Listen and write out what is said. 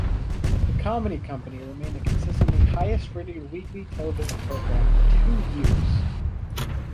"The Comedy Company" remained the consistently highest rating weekly television program for two years.